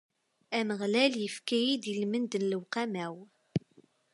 Ameɣlal ifka-yi-d ilmend n lewqama-w.